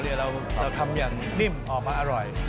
เรายังทำอย่างนิ่มแปลกออกมาอร่อย